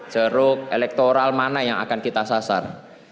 jeruk elektoral mana yang akan kita sasar